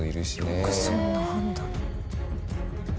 よくそんな判断。